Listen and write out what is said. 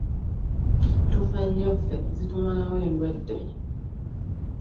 Tufa nnyo ffe, zitumalawo endwadde.